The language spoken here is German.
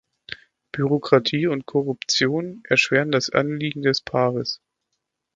Bürokratie und Korruption erschweren das Anliegen des Paares.